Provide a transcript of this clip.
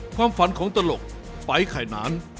ความฝันของตลกไปไข่นาน